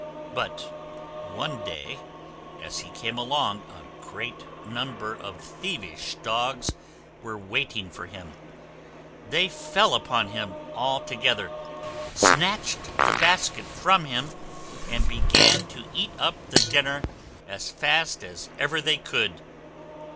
But one day, as he came along, a great number of thievish dogs were waiting for him. They fell upon him all together, snatched the basket from him, and began to eat up the dinner as fast as ever they could.